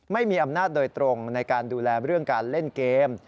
ไม่มีอำนาจโดยตรงในการดูแลเรื่องการเล่นเกม